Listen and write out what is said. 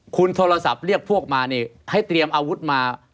คุณโทรศัพท์เรียกพวกมานี่ให้เตรียมอาวุธมา